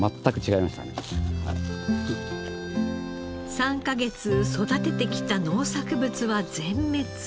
３カ月育ててきた農作物は全滅。